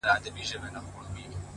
شېرينې ستا په تصور کي چي تصوير ورک دی!!